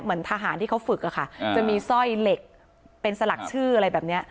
เหมือนทหารที่เขาฝึกอะค่ะจะมีสร้อยเหล็กเป็นสลักชื่ออะไรแบบนี้